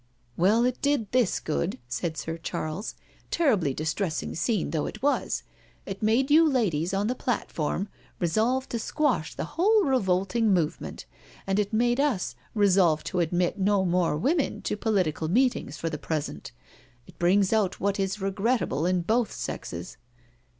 •• Well, it did this good," said Sir Charles, " terribly distressing scene though it was— it made you ladies on the platform resolve to squash the whole revolting movement, and it made us resolve to admit no more women to political meetings for the present. It brings out what is regrettable in both sexes.